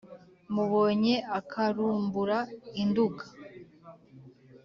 mubonye akarumbura i nduga